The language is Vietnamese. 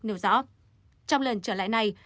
nêu rõ trong lần trở lại này